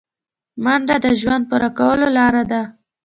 منډه د ژوند پوره کولو لاره ده